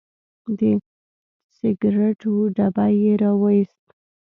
د سګریټو ډبی یې راوویست.